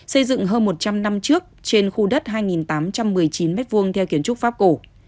xây dựng hơn một trăm linh năm trước trên khu đất hai tám trăm một mươi chín m hai theo kiến trúc pháp cổ